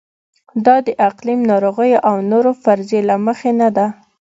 دا د اقلیم، ناروغیو او نورو فرضیې له مخې نه ده.